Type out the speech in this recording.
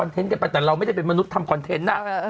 แต่เรามพิดว่ามนุษย์ทำคอนเทนต์นะ